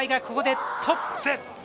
ここでトップ。